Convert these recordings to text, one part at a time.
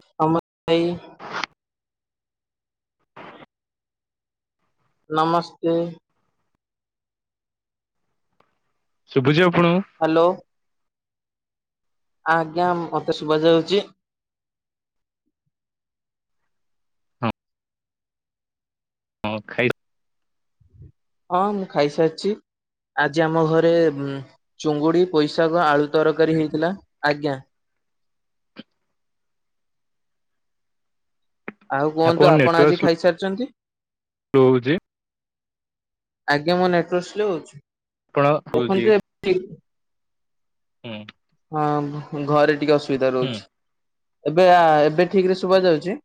ସମ [unintelligible] ଭାଇ ନମସ୍ତେ ଶୁଭୁଚି ଆପଣଙ୍କୁ ହ୍ୟାଲୋ ଆଜ୍ଞା ମତେ ଶୁଭ ଯାଉଛି କଣ ଖାଇ ହଁ ମୁଁ ଖାଇସାରିଛି ଆଜି ଆମ ଘରେ ଉ -ଚୁଙ୍ଗୁଡି ପୋଇଶାଗ ଆଳୁ ତରକାରୀ ହେଇଥିଲା ଆଜ୍ଞା ଆଉ କୁହନ୍ତୁ ଆପଣ ଆଜି ଖାଇସାରିଛନ୍ତି। ସ୍ଲୋ ହଉଛି ଆଜ୍ଞା ମୋ ନେଟ ୱର୍କ୍ ସ୍ଲୋ ହୋଉଛି ଆପଣ ହଉଛି ଦେଖନ୍ତୁ [unintelligible] ହୁଁ ହଁ ଘରେ ଟିକେ ଅସୁବିଧା ହୁଁ ରହୁଛି ଏବେ ଆ ଏବେ ଠିକ ରେ ଶୁଭ ଯାଉଛି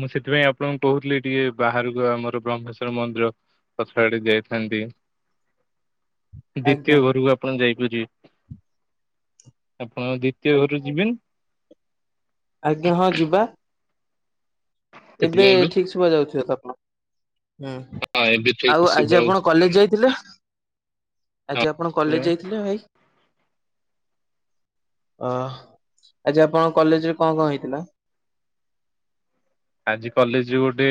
ମୁଁ ସେଥିପାଇଁ ଆପଣଙ୍କୁ କହୁଥିଲି ଟିକେ ବାହାରକୁ ଆମର ବ୍ରହ୍ମେଶ୍ଵର ମନ୍ଦିର ପଛଆଡେ ଯାଇଥାନ୍ତି। [inaudible] ଆଜ୍ଞା ଦ୍ଵିତୀୟ ଘରକୁ ଆପଣ ଯାଇପାରିବେ ଆପଣ ଜି କିଏ ଘରୁ ଆଜ୍ଞା ଯିବେନି ଆଜ୍ଞା ହଁ ଯିବା। ଏବେ ଠିକଶୁବା ଯାଉଥିବ ତ ଆପଣକୁ ହୁଁ। ହଁ ଏବେ ଠିକ ଆଉ ଶୁଭା ଆଜି ହଉଛି ଆପଣ କଲେଜ ଯାଇଥିଲେ? ଆଜି ଆପଣ ହଁ। କଲେଜ ଯାଇଥିଲେ ଭାଇ? ଅ ଆଜି ଆପଣଙ୍କ କଲେଜ ରେ କଣ କଣ ହେଇଥିଲା? ଆଜି କଲେଜ ଗୋଟେ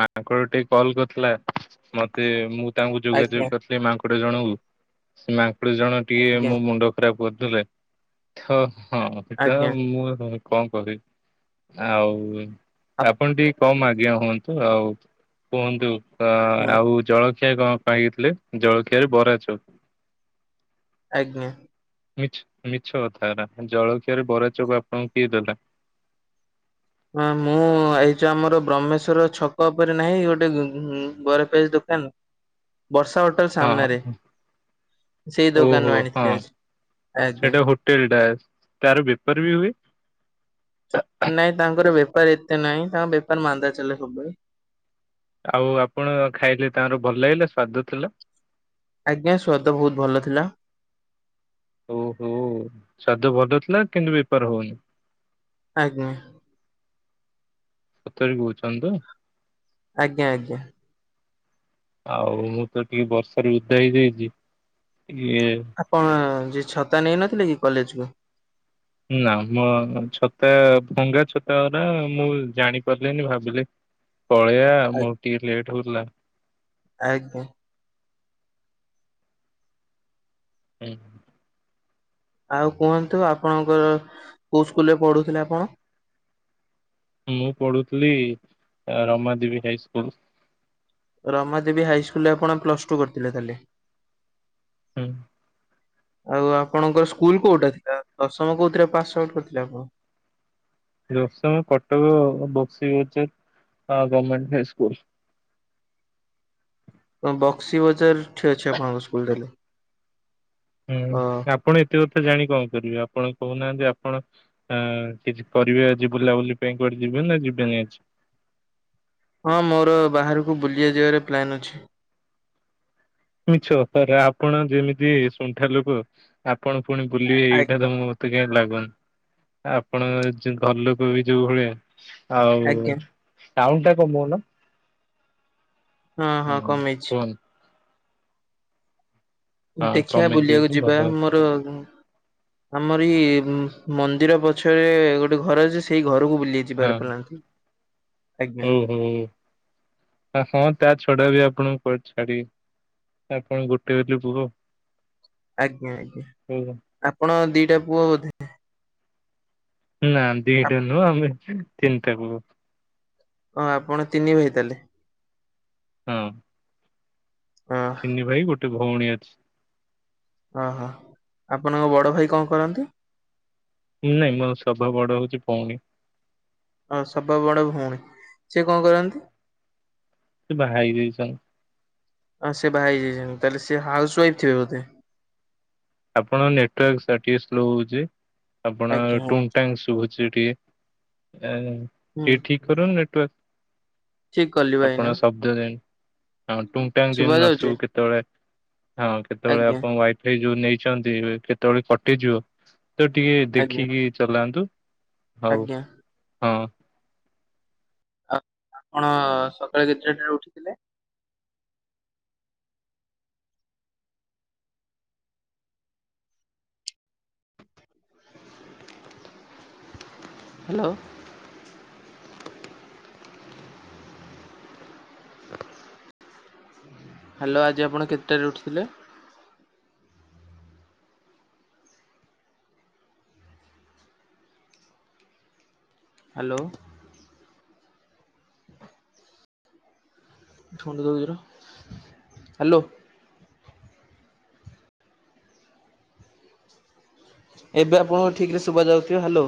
ମାଙ୍କଡ ଟେ କଲ୍ କରିଥିଲା। ମତେ ମୁଁ ତାଙ୍କୁ ଆଜ୍ଞା ଯୋଗାଯୋଗ କରିଥିଲି ମାଙ୍କଡ ଜଣଙ୍କୁ ସେ ମାଙ୍କଡ ଜଣେ ଟିକେ ଆଜ୍ଞା ମୋ ମୁଣ୍ଡ ଖରାପ କରୁଥିଲେ ତ ଆଜ୍ଞା ହଁ ମୁଁ କଣ କରିବି ଆଉ ଆପ ଆପଣ ଟିକେ କମ୍ ଆଜ୍ଞା ହୁଅନ୍ତୁ ଆଉ କୁହନ୍ତୁ ହୁଁ ଆଉ ଜଳଖିଆ କଣ ମାଗିକିଥିଲେ ଜଳଖିଆରେ ବରାଛପ୍। ଆଜ୍ଞା। ମିଛ ମିଛ କଥା ହେରା ଜଳଖିଆରେ ବରା ଚପ ଆପଣଙ୍କୁ କିଏ ଦେଲା। ହଁ ମୁଁ ଏଇ ଜଉ ଆମର ବ୍ରହ୍ମେଶ୍ଵର ଛକ ଉପରେ ନାହିଁ ଗୋଟେ ଉ -ବରା ପିଆଜ ଦୋକାନ। ବର୍ଷା ହୋଟେଲ ସାମ୍ନାରେ ହଁ ସେଇ ଓହୋ ଦୋକାନରୁ ହଁ ଆଣିଥିଲି ଆଜି ଆଜ୍ଞା। [unintelligible] ତାର ବିଫର ବି ହୁଏ? ନାଇଁ ତାଙ୍କର ବେପାର ଏତେ ନାଇଁ ତାଙ୍କ ବେପାର ମାନ୍ଦା ଚାଲେ ସବୁବେଳେ ଆଉ ଆପଣ ଖାଇଲେ ତାଙ୍କର ଭଲ ଲାଗିଲା ସ୍ଵାଦ ଥିଲା। ଆଜ୍ଞା ସ୍ୱାଦ ବହୁତ ଭଲ ଥିଲା। ଓହୋ ସ୍ଵାଦ ଭଲ ଥିଲା କିନ୍ତୁ ବେପାର ହଉନି। ଆଜ୍ଞା। ସତରେ କହୁଛନ୍ତି ତ। ଆଜ୍ଞା ଆଜ୍ଞା। ଆଉ ମୁଁ ତ ଟିକେ ବର୍ଷାରେ ଉଧା ହେଇଯାଇଛି ଟିକେ ଆପଣ ଯିଏ ଛତା ନେଇନଥିଲେ କି କଲେଜ କୁ। ନା ମୋ ଛତା ଭଙ୍ଗା ଛତା ଉରା ମୁଁ ଜାଣିପାରିଲିନି ଭାବିଲି ପଳେଇଆ ମୋ ଆଜ୍ଞା ଟିକେ ଲେଟ୍ ହଉଥିଲା। ଆଜ୍ଞା। ହୁଁ। ଆଉ କୁହନ୍ତୁ ଆପଣଙ୍କର କୋଉ ସ୍କୁଲରେ ପଢୁଥିଲେ ଆପଣ। ମୁଁ ପଢୁଥିଲି ରମାଦବୀ ହାଇ ସ୍କୁଲ। ରମାଦେବୀ ହାଇସ୍କୁଲରେ ଆପଣ ପ୍ଲସ ଟୁ କରିଥିଲେ ତାହଲେ। ହୁଁ। ଆଉ ଆପଣଙ୍କର ସ୍କୁଲ କୋଉଟା ଥିଲା ଦଶମ କୋଉଥିରେ ପାସ୍ ଆଉଟ କରିଥିଲେ ଆପଣ। ଦଶମ କଟକ ବକ୍ସି ବଜାର ଗଭମେଣ୍ଟ ହାଇସ୍କୁଲ। ବକ୍ସି ବଜାର ଟି ଅଛି ଆପଣଙ୍କ ସ୍କୁଲଟା ତା ହେଲେ। ହୁଁ ଆପଣ ଏତେ କଥା ଜାଣି କଣ କରିବେ ଆପଣ କହୁନାହାନ୍ତି ଆପଣ ଆଁ କିଛି କରିବେ ଆଜି ବୁଲାବୁଲି ପାଇଁ କୁଆଡେ ଯିବେ ନା ଯିବେନି ଆଜି। ହଁ ମୋର ବାହାରକୁ ବୁଲିିବା ଯିବାର ପ୍ଲାନ ଅଛି। ମିଛ କଥା ଆପଣ ଯେମିତି ସୁଣ୍ଠା ଲୋକ ଆପଣ ପୁଣି ବୁଲିବେ ଏଇଟା ତ ଆଜ୍ଞା ମୁଁ ମତେ କାହିଁ ଲାଗୁନି ଆପଣ ଘର ଲୋକ ବି ଯୋଉ ଭଳିଆ। ଆଉ ଆଜ୍ଞା ଟାଉ ଟା କମଉନ। ହଁ ହଁ କମେଇଛି। କୁହନ୍ତୁ ହଁ ଦେଖିଆ କମେଇ ବୁଲିବାକୁ ଦେଇଛି ଯିବା ଭଲ ମୋର ଆମର ଏଇ ମନ୍ଦିର ପଛରେ ଗୋଟେ ଘର ଅଛି ସେଇ ଘରକୁ ବୁଲି ହଁ ଯିବାର ପ୍ଲାନ ଅଛି। ହଉ ହଉ ହଁ ତା ଛଡା ବି ଆପଣଙ୍କୁ କୁଆଡେ ଛାଡିବେ। ଆପଣ ଗୋଟେ ବୁଲି ପୁଅ। ଆଜ୍ଞା ଆଜ୍ଞା ଆପଣ ଦିଟା ପୁଅ ବୋଧେ। ନା ଦିଟା ନୁହଁ ଆମେ ତିନିଟା କୁ। ହଁ ଆପଣ ତିନି ଭାଇ ତାହେଲେ। ହଁ। ଅ ତିନି ଭାଇ ଗୋଟେ ଭଉଣୀ ଅଛି। ଓହୋ ଆପଣଙ୍କ ବଡ ଭାଇ କଣ କରନ୍ତି। ନାଇଁ ମୋର ସଭା ବଡ ହଉଛି ପଉଣି। ଅ ସବା ବଡ ଭଉଣୀ ସିଏ କଣ କରନ୍ତି। ସେ ବାହାହୋଇ ଯାଇଛନ୍ତି। ହଁ ସେ ବାହାହେଇଯାଇଛନ୍ତି ତାହେଲେ ସେ ହାଉସୱାଇଫ୍ ଥିବେ ବୋଧେ। ଆପଣଙ୍କ ନେଟୱାର୍କ ଟିକେ ସ୍ଲୋ ହଉଛି ଆପଣ ଆଜ୍ଞା ହୁଁ ଟୁଙ୍କ ଟାଙ୍କ ସୁବୁଚି। ସେଠି ଆ। ଟିକେ ଠିକ କରନୁ ନେଟୱାର୍ ଠିକ କଲି ଆପଣ ଭାଇନା ସବୁ। ହଁ ଟୁଙ୍ଗ ଟାଙ୍ଗ ଜିନ ଶୁଭା ଯାଉଛି? ନସୁବୁ କେତେବେଳେ ହଁ କେତେବେଳେ ଆଜ୍ଞା ଆପଣ ୱାଇଫାଏ। ସେଇ ଯୋଉ ନେଇଛନ୍ତି କେତେବେଳେ କଟିଯିବ ତ ଟିକେ ଆଜ୍ଞା ଦେଖିକି। ଚଲାନ୍ତୁ ହଉ ଆଜ୍ଞା ହଁ। ଆଉ ଆପଣ ସକାଳେ କେତେଟାରେ ଉଠିଥିଲେ। ହ୍ୟାଲୋ। ହ୍ୟାଲୋ ଆଜି ଆପଣ କେତେଟାରେ ଉଠିଥିଲେ। ହ୍ୟାଲୋ। ହ୍ୟାଲୋ। ଏବେ ଆପଣଙ୍କୁ ଠିକରେ ଶୁଭ ଯାଉଥିବ ହ୍ୟାଲୋ।